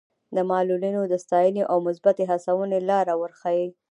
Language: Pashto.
د معلولینو د ستاینې او مثبتې هڅونې لاره ورښيي.